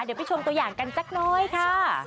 เดี๋ยวไปชมตัวอย่างกันสักน้อยค่ะ